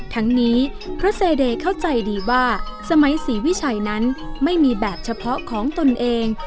ทั้งนี้พระเซเดย์เข้าใจดีว่าสมัยศรีวิชัยนั้นไม่มีแบบเฉพาะของตนเอง